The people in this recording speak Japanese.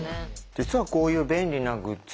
実はこういう便利なグッズ